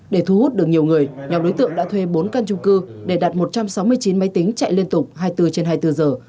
để thu hút được nhiều người nhóm đối tượng đã thuê bốn căn chung cư để đạt một trăm sáu mươi chín máy tính chạy liên tục hai mươi bốn trên hai mươi bốn giờ